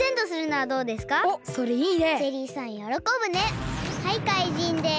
はいかいじんです。